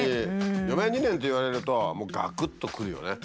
余命２年って言われるともうがくっとくるよね。